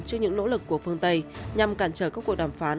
trước những nỗ lực của phương tây nhằm cản trở các cuộc đàm phán